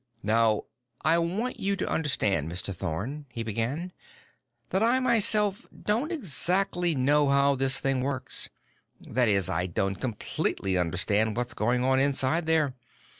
"Now I want you to understand, Mr. Thorn," he began, "that I, myself, don't exactly know how this thing works. That is, I don't completely understand what's going on inside there.